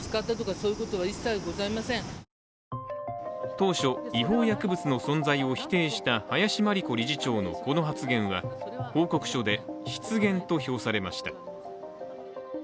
当初、違法薬物の存在を否定した林真理子理事長のこの発言は報告書で失言と評されました。